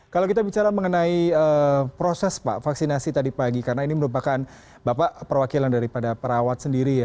kalau kita bicara mengenai proses pak vaksinasi tadi pagi karena ini merupakan bapak perwakilan daripada perawat sendiri ya